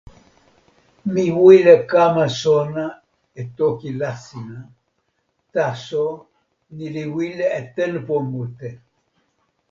mi wile kama sona e toki Lasina, taso ni li wile e tenpo mute.